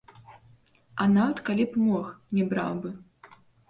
А нават калі б мог, не браў бы.